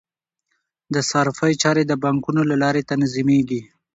د صرافۍ چارې د بانکونو له لارې تنظیمیږي.